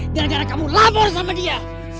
gara gara kamu lapor sama dia